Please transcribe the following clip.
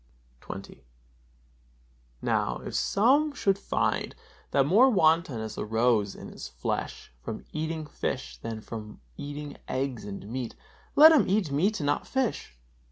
XX. Now, if some one should find that more wantonness arose in his flesh from eating fish than from eating eggs and meat, let him eat meat and not fish.